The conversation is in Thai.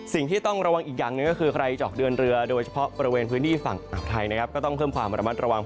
สิ่งที่ต้องระวังอีกอย่างหนึ่งก็คือใครจะออกเดินเรือโดยเฉพาะบริเวณพื้นที่ฝั่งอ่าวไทยนะครับก็ต้องเพิ่มความระมัดระวัง